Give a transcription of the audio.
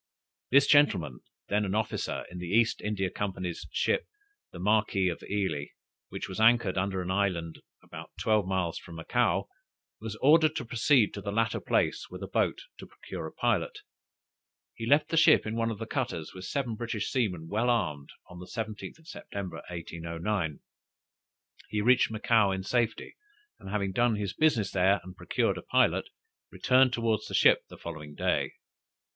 This gentlemen, then an officer in the East India Company's ship the Marquis of Ely, which was anchored under an island about twelve miles from Macao, was ordered to proceed to the latter place with a boat to procure a pilot. He left the ship in one of the cutters, with seven British seamen well armed, on the 17th September, 1809. He reached Macao in safety, and having done his business there and procured a pilot, returned towards the ship the following day.